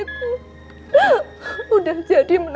bukan barusan mbak cat